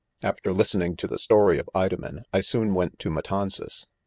After listening to the story of Idomen, I soon went to Matanzas.